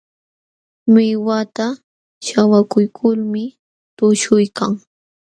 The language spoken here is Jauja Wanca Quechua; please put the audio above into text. Millwata śhawakuykulmi tuśhuykan.